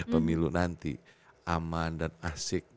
pemilu nanti aman dan asik